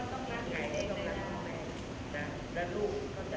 สวัสดีครับสวัสดีครับ